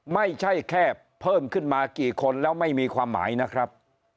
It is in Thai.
ไม่ใช่แค่เพิ่มขึ้นมากี่คนแล้วไม่มีความหมายนะครับ